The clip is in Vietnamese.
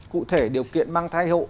cụ thể điều kiện mang thai hộ